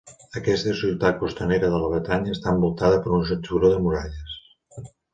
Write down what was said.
Aquesta ciutat costanera de la Bretanya està envoltada per un cinturó de muralles.